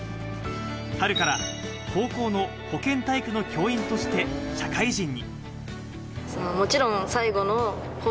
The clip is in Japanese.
春から高校の保健体育の教員として、社会人に。